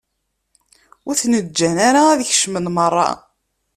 Ur ten-ǧǧan ara ad kecmen merra.